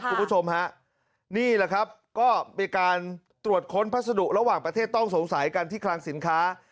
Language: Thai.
คุณผู้ชมฮะนี่แหละครับก็มีการตรวจค้นพัสดุระหว่างประเทศต้องสงสัยกันที่คลังสินค้า